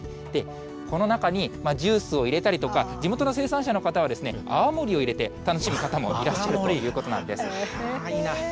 この中にジュースを入れたりとか、地元の生産者の方はですね、泡盛を入れて楽しむ方もいらっしゃるということなんです。